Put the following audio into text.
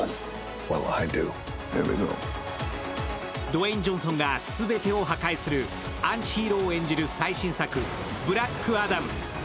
ドウェイン・ジョンソンが全てを破壊するアンチ・ヒーローを演じる最新作、「ブラックアダム」。